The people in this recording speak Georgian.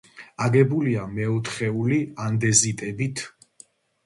აგებულია მეოთხეული ანდეზიტებით.